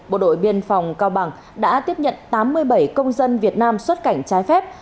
bộ đội biên phòng cao bằng đã tiếp nhận tám mươi bảy công dân việt nam xuất cảnh trái phép